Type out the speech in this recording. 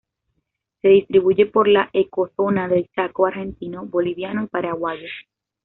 Se distribuye por la ecozona del Chaco argentino, boliviano y paraguayo.